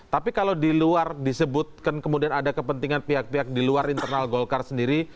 tapi kalau di luar disebutkan kemudian ada kepentingan pihak pihak di luar internal golkar sendiri